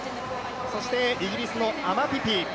そしてイギリスのアマ・ピピ。